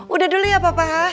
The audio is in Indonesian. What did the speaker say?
udah dulu ya papa